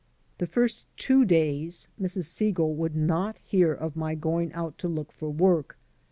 The first two days Mrs. Segal would not hear of my going out to look for work.